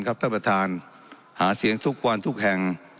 ท่านประธานหาเสียงทุกวันทุกแห่ง